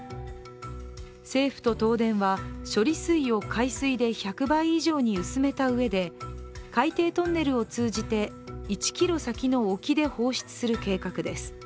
政府と東電は処理水を海水で１００倍以上に薄めたうえで海底トンネルを通じて１ｋｍ先の沖で放出する計画です。